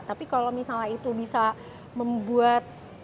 tapi kalau misalnya itu bisa membuat